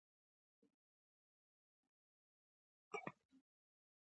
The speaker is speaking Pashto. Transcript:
هم نه وه، البته زه د هغوی مخالف نه ووم.